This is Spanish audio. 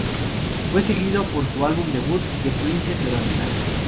Fue seguido por su álbum debut, "The princess Veronica".